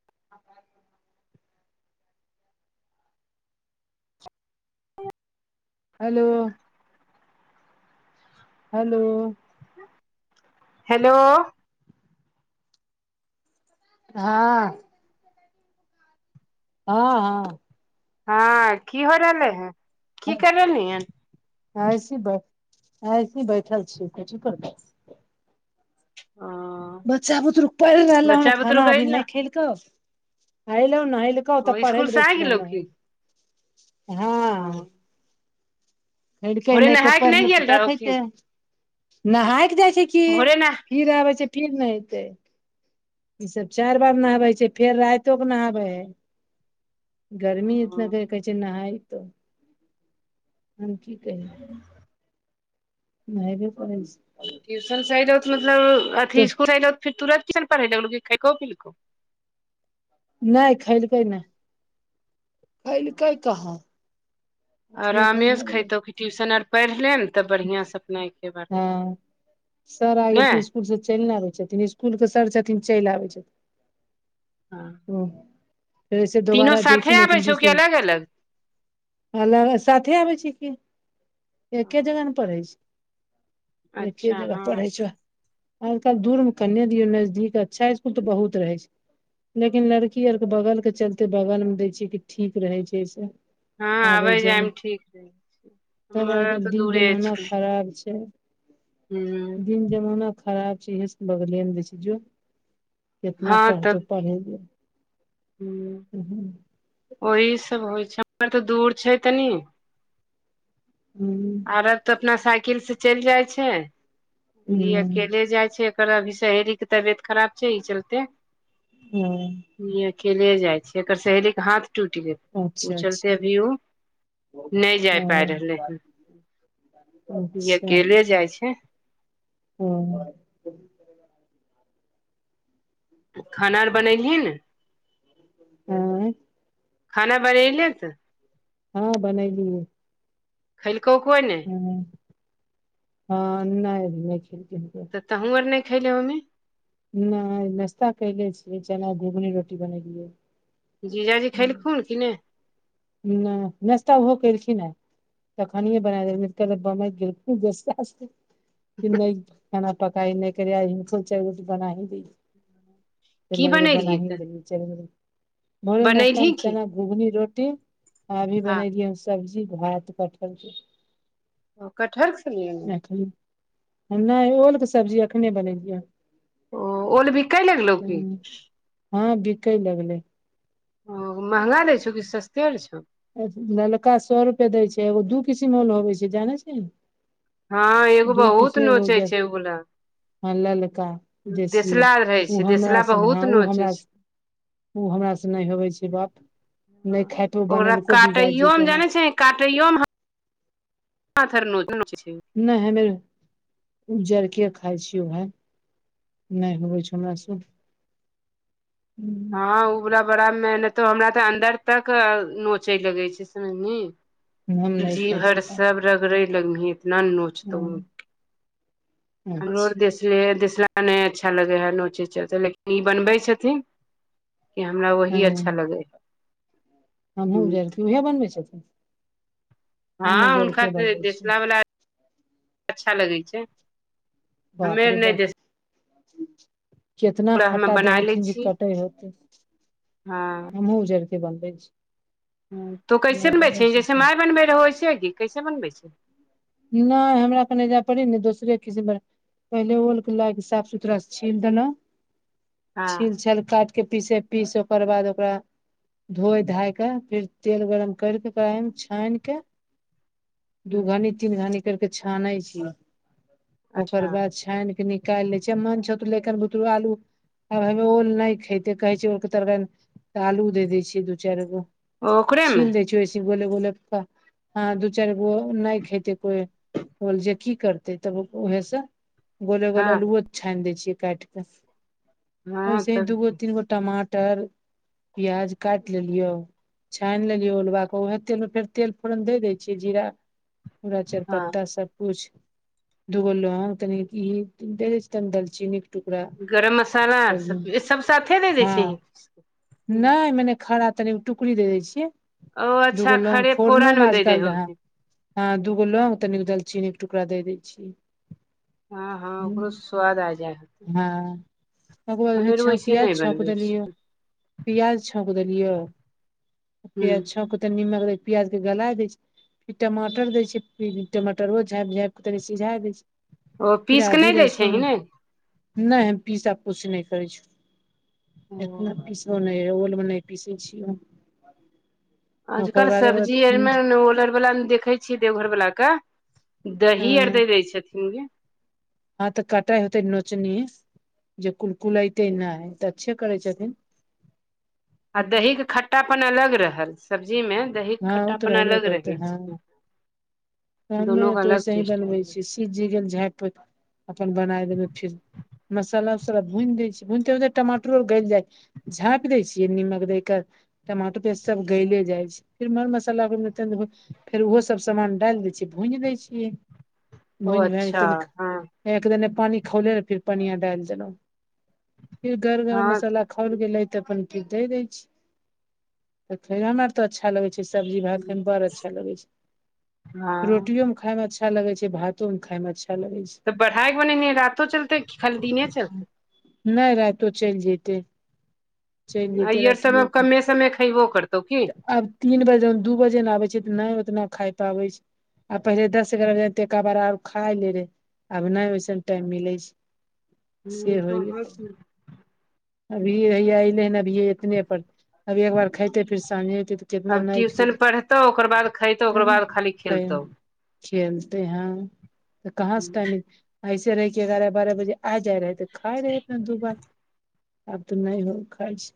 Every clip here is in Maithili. [inaudible] हेलो हेलो हेलो हां हँ हँ ह की हो रहले है की कर रहली हन ऐसी ऐसी बैठल छिय त की करबै हँ बच्चा बुदुरु परैह हन खाना करि अभी ने नहि खेलकौ एलो नहेलकौ त ओ पढ़ै इसकुल ल से आ गेलौ बैठलहु की ह ओ प भोरे नय के नहाय पढ़ि नहि लेत गेल रहौ की तेते नहायक जाइ छै की भोरे नहा फिर आबै छै फीर नय एतै इ सब ओ चारि बार नहाबै छै फेर राइतो के नहाबै हइ गर्मी इतना त कहै छै नहायतो हम की कही नहैबे करे छै ट्यूशन से अयलौ त मतलब अथी तो इसकुल अयलो फेर तुरत किये नय पढ़ेलको खैको पिलको नय खइलको नय खैलकै कहाँ अथिए आरमे करै सँ लगलै खाइतौ ट्यूशन आर पढ़ि लेब त बढ़िआँ से अपना एके बार नय स्कूल से चलि नय आबै छथिन स्कूल के सर छथिन चलि आबै छथिन हँ ओ फेर से दोबारा साथे जयथिन आबै एथिन छौ बीस कि अलग अलग बेर अ साथे आबै छै की एके जगह ने पढ़ै छै एके अच्छा जगह हँ पढ़ै छै आजकल दूर मे कने दियो नजदीक अच्छा स्कुल त बहुत रहे छै लेकिन लड़की आर के बगल के चलते बगल मे दै छीये की ठीक रहे छै से हँ आबै आबय जायमे जायब ठीक रहै छै तब हमर आर आ तऽ दिन दूरे जमाना छै खराब छै हूँ दिन जमाना खराब छै हेस बगलेमे बेै छैय जो कितना हँ पढ़तो तब पढ़ेगे हूँ हूँ हूँ ओही सब होइ छै हमर त दूर छै तनी हुँ आरब तऽ अपना साइकिल से चलि जाय छै। ई अकेल हूँ ले जाइ छै। एकर अभी सहेलीके तबियत खराब छै। ई चलते हुँ ई अकेले जाइ छै। एकर सहेलीके हाथ टुटि गेल उ अच्छा अच्छा चलते अभी उ नय जाय पा हँ रहलै हन। ई अच्छा अकेले जाइ छै। हँ खाना आर बनेलही ने। आँय खाना बडेलै तऽ हँ बनैलियै। खैलकौ कोइ नय हँ नय नय खैलकै हन कोइ। तहुँ आर नय खैले होइमी। नय नाश्ता कैले छियै। चनाके घूघनी रोटी बनैलियै। जीजाजी खैलखुन कि नय। नय नस्ता ओहो कैलखिने। तखनिये बनाय देल [unintelligible] बमैक गेलखुन जे साँझे कि नय खाना पकाइ नय कर आइ हिनको ले चारिगो रोटी बना ही दैय छियै। तऽ की लगले बना बनेलही ही तऽ देलियै। भोरे नाश्ता बनेलही मे की चनाके घुघनी रोटी। आ अभी हँ बनेलियै हन सब्जी भात कटहरके। कटहर खेलही वैह खाली नय ओलके सब्जी अखने बनैलियै हन ओ ओल बिकै लगलौ की हँ बिकै लगलै। ओ महंगा दै छौ। कि सस्तेल छौ। ललका सौ रुपए दै छै। एगो दू किसीमल होबै छै। जानै छीहीं। हँ एगो बहुत नोचै जे छै उबला। हँ ललका देसियौ। रहै उ छै हमरा देसला से बहुत नय उ नोचै हमरा स छै उ हमरा से नय होवै छै। बाप नय खायतो ओकरा बनैलको। काटैयो मे जानै छहीं काटैयो मे हाथ आर नोचै नोचै छै नय हम्मे आर उजरके खाइ छियौ भाइ नय होवै छौ हमरा से हम हँ उ बला बड़ा मेहनतो हमरा तऽ अन्दर तक नोचै लगै छै समझलिहीं नहि खाइ जीभ छी अर तऽ सब रगरै लगबिहीं इतना नोच हँ हमरो आर अच्छा देशिये नय अच्छा लगै हइ नोचै चलते लेकिन ई बनबै छथिन कि हमरा हँ वही अच्छा लगै हइ। हमहुँ उजरके उहे बनबै छथिन। हमहुँ हँ हुनका उजरके बनबै छियै। देसला वाला अच्छा लगै छै। हमे आर बापरे नहि बाप केतना देसला हमे खट्टा दै बना लै हथिन। जे छियै कटै होतै हँ हमहुँ उजड़ के बनबै छी। तू कैसे नहि बनबै छीहीं। छी जैसे सब माय बनबै रहौ। वैसे ही की कैसे बनबै छीही। नय हमरा कनी अय जा पड़इ ने दोसरे किसिम बनै पहिले ओलके लैके साफ सुथरा छील। देेलौ हँ छील छाल काट। के पीसे पीस ओकर बाद ओकरा धोए धायक फेर तेल गरम करिक ओकरा अईमे छानि क दू घानी तीन घानी करके छानै छी ओकर अच्छा बाद छान केऽ निकालि लै छी मन छौ त लेकर बुतरू आलू [unintelligible] ओल नै खेतै कहै छै ओलके तरऽ आलू दे दै छियै दू चारि गो ओकरेमे छील दै छीयै वौसे गोले गोले क हँ दू चारि गो नाय खैतै कोल जे की करतै तब ओहसँ गोल गोल हँ अलुये छानि दै छियै काटिक हँ ऐसे ही तब दूगो की तीन गो टमाटर पियाज काटि लेलियौ छानि लेलियै उलुआ क उहे तेल मे फेर तेल फोरन दे दै छियै जीरा पूरा हँ चारपत्ता सब कुछ दूगो लोंग तनिक ई दैनी दलचीनी टुकरा गरम मसाला आर सब दिन सब साथे दे दै हँ छीही नै मेने खड़ा तनि टुकड़ी दे दय छियै ओ अच्छा दूगो लोंग खड़े फोड़नो फोरन मे आज दे दे कल्ह रहए होबही हँ दूगोलोंग तनिक दल चीनी के टुकड़ा दे दै छी हँ हँ ओकरो स्वाद आ जाय हेतै हँ ओकर बाद छौपिया नहि छौप बनबै छी देलिय पियाज छौंक देलिय पियाज ह छौंक त नीमक दै पियाज के गलाय दै छै फिर टमा टर दै छै टमाटरो झैप झैप क तनि सिझाय छै ओ फिर पीस कऽ आधी नहि दै रसुन छही ने नै हम पीसा कुछ नै करै छौ ओ इतना पीसो नै एओल मे नै पीसै छियौ आजकल ओकरा सब्जी आरमे ओल आरवला मे देखै छियै देवघर बला क दही आर अं दै दै छथिन गे हँ तऽ कटाइ होतै नोचनी जे कुलकुलाइते नाय तऽ अच्छे करै छथिन आ हूँ दही के खट्टापन अलग रहल सब्जीमे दहीे के हँ ओ तऽ खट्टापन रहबे अलग करतै रहै हँ छै दोनो के अलग चेस्ट आबी गेल जी गेल झपि अपन बनाय देबे फिर मसाला उसाला भूनि दै छै भूनिते उते टमाटरो गैल जाइ छै झाँप दै छियै निमक दै क टमाटो प्याज सब गैले जाय छै फेर मर मसाला फेर उहो सब सामान डाल दै भूईन दै छियै ओ भुईन अच्छा भाएज हँ [unintelligible] एक दने पानि खौले रह फिर पनिया डालि देलौ। फिर गर गर हँ मसला खौल गेले त अपन दै दे छी [unintelligible] अच्छा लगै छै। सब्जी भात खएमे बड़ अच्छा लगै छै। हँ रोटियो मे खाय मे अच्छा लगै छै। भातो मे खाय मे अच्छा लगै छै। तऽ बढ़ाय बनेने रातो चलतै खाली दिने चलतै। नै रातो चलि जैतै। अई आर सब के कमे समे खयबो करतौ की। आब तीन बजे दू बजे न आबै छै तऽ नै ओतना खा पाबै छै आ पहिले दस एगारह बजे त एक बार आर खाय ले रहे आब नै ओते टाइम मिलै छै हूँ से होइ कहाँ गेलै, छी अभी हया अलै हन अभीये कतने पर अभी एक बार खेते फिर सझी अे तऽ कितना आब नय ट्यूशन खेते पढ़तौ ओकर बाद खयतौ ओकर चलू बाद खाली खेलतौ खेलते हैं तऽ कहाँ से ओ टाइमी ऐसे रहहि के एगारह बारह बजे आ जाय रहै तऽ खााय रहै अपना दू बार आब तऽ नय हो खाइ छै।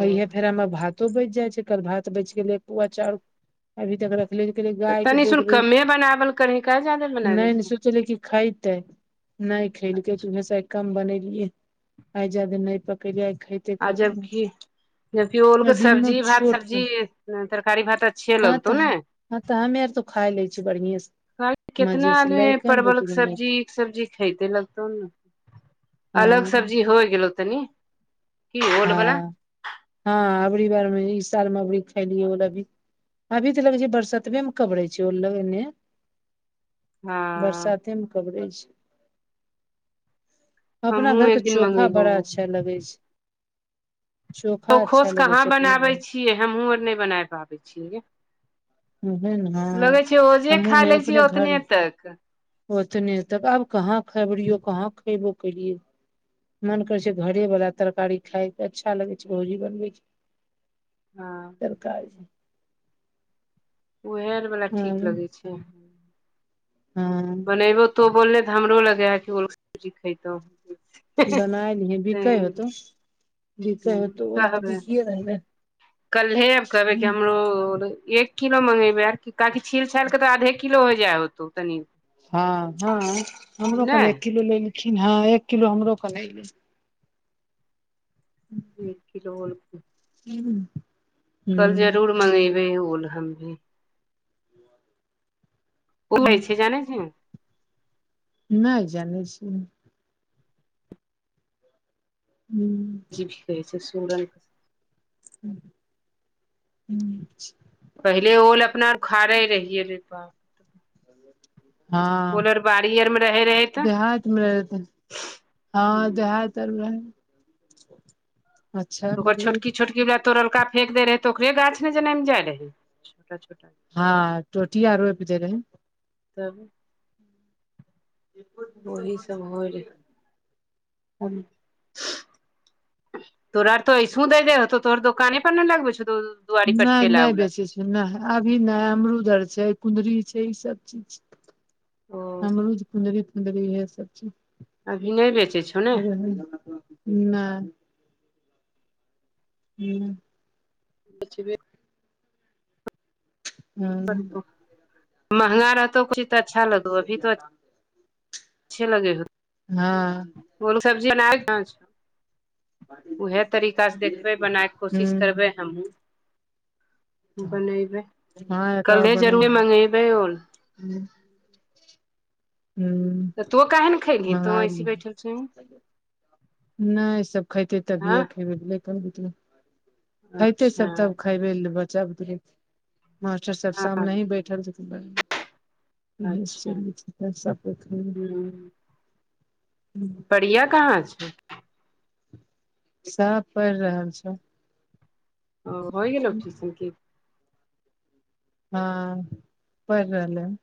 अ इहे फेर मे भ दू बज जाइ छै। कल भात बचि गेलै पुआ चाउर अभी तक रा कहये तऽ गाय के तनी दे सुन देबै कमे बनावल करही काहे जादे बनाबै नय ने छी सोचले कि खेतै। नय खेलेलके त अच्छा उहेस आई कम बनेेलियऐ। आइ जादे नय पकेलये आई ख आ जब की जबकि ओल के दिनमे सब्जी भात। छोट पे सब्जी तरकारी भात अच्छे हँ लगतौ तऽ ने। हँ तऽ हमे आर तो खाइ ल छियै बढ़ियं स केितना आदमी परवल के नहि सब्जी सब्जी खेते लगतौ ने। अलग हँ सब्जी होइ गेलौ तनी। की ओल बला हँ हँ अबरी बार मे ई साल मे अबरी खायलियै ऑल भी। अभी तऽ लग छै। बरसतबे मे कबड़े छै। ओल एने हँ बरसााते म कबरे छै। अपना हमहुँ घर के एक दिन चोखा मंगेबौ बड़ा अच्छा लगे छै। तो चोखा अच्छा खोश लगे कहाँ छै अपना बनाबै घर छियै। हमहूँ आर नय बना पाबै छियै उहे न हँ, लगै छै। ओजे हमहुँ खा ने ले छीय अपने घर ओतने तक। ओतने तक आब कहाँ खेबियो हूँ कहाँ खयबो कलियए मन करे छै। घरे वाला तरकारी खाय के अच्छा लगे छै भौजी बनबे छै हँ। सरकार जी। उहेआर वला ठीक हँ लगैत छै। हँ बनेैबो तो बोलने तऽ हमरो लगे हैी खतो। बनायल ह बीकै होतौ। बिकै ह होतौ तऽ कहबे बिकिये रहलै कलहे आब कहबै। कि हमरो एक किलो मँंगेबै आर काकि छील छालि कऽ तऽ आधे किलो हो जाय होतौ तनी। हँ हँ हमरो कनि एक नहि किलो लेलखिन हँ एक किलो हमरो कन आले ह [inaudible] एक किलो ऑल हू। कल जरूर मंगेबे ऑल हम भी। [unintelligible] जाने छी। नय जानै छी। हू। जीभिक कहे छै। सुरन [unintelligible] पहिले ओल अपना आर उखाड़े रहियै रेपा ओल हँ आर बाड़ी आर मे रहे रहे देहात मे रहत हँ तऽ देहात आर में ओकर बतैयौ छोटकी छोटकी तोरलका फेेक देय रहै तऽ ओकरे गाछ ने जनम जाय रहै हँ टोटीया रूप दै रहेै तब वही सब हो जते [unintelligible] तोरा त एसूहू दै दे तोरा दोकान पर न लगबै छौ त नय नय बेचे छै नहि अभी ने अमरूद आर छै कुनदरी छै ई सब चीज छै ओ अमरूज कुनदरी फुन्दरी येह सब छै अभी नहि बेचै छौ ने नय हूँ बेचबे महँगा रहतौ त किछ त अच्छा लगो अभी त अच्छे लगे होे हँ कोन सब्जी अनालय हन उहे तरीका सँ देखबै बनाय के कोशिश हूँ करबै हमहूँ बनेबै हँ एक और कले बनै जरूरे है मंगेबे ओल [unintelligible] हूँ त तो काहे ना खैबही तो मंगाय ऐसी बैठल छीही नय सब खेतेय हँ तभीये खेबेय [unintelligible] खेते सब अच्छा तब खेबे ल बच्चा बुते मास्टर सब सामने ही बैठल छथिन बढ़िया अच्छा निश्चित निश्चित सब बैठल ही [unintelligible] रिया कहाँ छै सब पढ़ि रहल छौ ओ होइ गेलो ट्यूशन की हँ पढ़ि रहलै हँ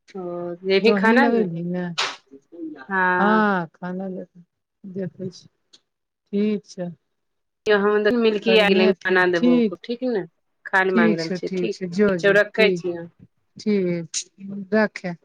ओ जेबही तोही खाना ने लगेले ही न हँ खाना लेल देखै छी ठीक छै किये त हम मिलकी आ गेल करिहे खाना ठीक देबो ठीक ने खाय ले माँगि ठीक रहल छौ छै ठीक जो ठीक छौ जो रखै ठीक छीयां ठीक रखैय